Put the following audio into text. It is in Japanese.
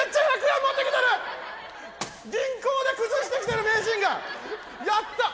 １００円持ってきてる銀行でくずしてきてる名人がやった！